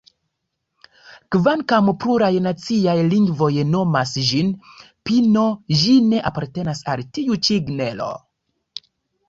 Kvankam pluraj naciaj lingvoj nomas ĝin "pino", ĝi ne apartenas al tiu ĉi genro.